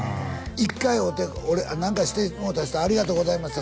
一回会うて何かしてもうた人ありがとうございました